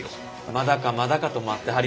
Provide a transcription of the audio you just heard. まだかまだかと待ってはりましたわ。